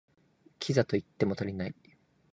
キザと言っても足りない